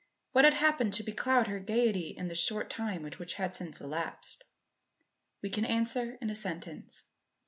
What had happened to becloud her gaiety in the short time which had since elapsed? We can answer in a sentence.